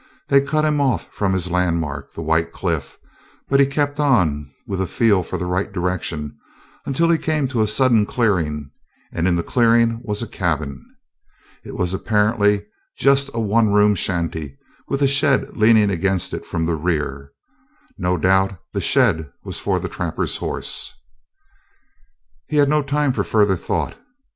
They cut him off from his landmark, the white cliff, but he kept on with a feel for the right direction, until he came to a sudden clearing, and in the clearing was a cabin. It was apparently just a one room shanty with a shed leaning against it from the rear. No doubt the shed was for the trapper's horse. He had no time for further thought.